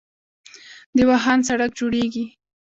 د واخان سړک جوړیږي